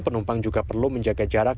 penumpang juga perlu menjaga jarak